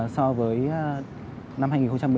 so với năm hai nghìn một mươi tám